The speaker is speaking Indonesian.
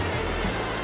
jangan makan aku